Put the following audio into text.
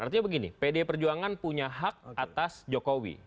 artinya begini pdi perjuangan punya hak atas jokowi